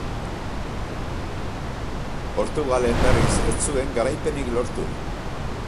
Portugalen, berriz, ez zuen garaipenik lortu.